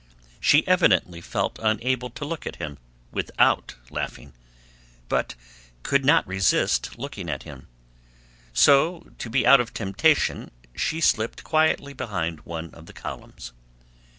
She evidently felt unable to look at him without laughing, but could not resist looking at him: so to be out of temptation she slipped quietly behind one of the columns.